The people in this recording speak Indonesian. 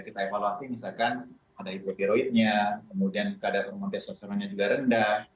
kita evaluasi misalkan ada hidrokeroidnya kemudian kadar hormon testosteronnya juga rendah